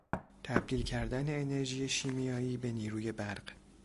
تبدیل کردن انرژی شیمیایی به نیروی برق